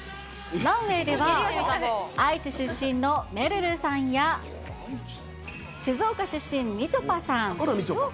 ランウェイでは、愛知出身のめるるさんや、静岡出身、みちょぱさん。